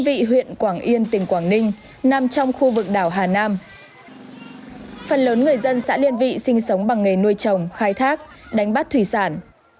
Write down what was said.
phần lớn người dân xã liên vị sinh sống bằng nghề nuôi trồng khai thác đánh bắt thủy sản